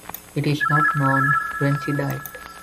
It is not known when she died.